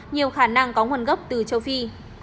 nhiều khả năng có nguồn gốc từ châu phi